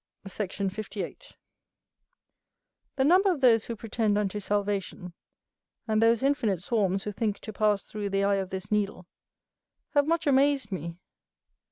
Sect. 58. The number of those who pretend unto salvation, and those infinite swarms who think to pass through the eye of this needle, have much amazed me.